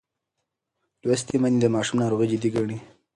لوستې میندې د ماشوم ناروغي جدي ګڼي.